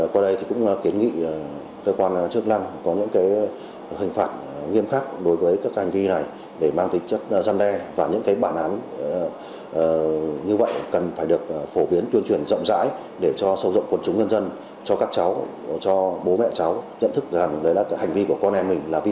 qua đây cũng kiến nghị cơ quan chức lăng có những hình phạt nghiêm khắc đối với các hành vi này để mang tính chất gian đe và những bản án như vậy cần phải được phổ biến tuyên truyền rộng rãi để cho sâu rộng quần chúng nhân dân cho các cháu cho bố mẹ cháu nhận thức rằng đây là hành vi của các cháu